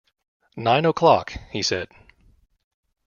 “Nine o’clock!” he said.